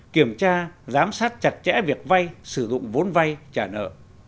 kiểm tra giám sát chặt chẽ việc vay sử dụng vốn vay trả nợ